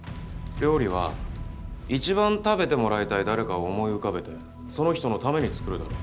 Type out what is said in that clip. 料理は一番食べてもらいたい誰かを思い浮かべてその人のために作るだろ。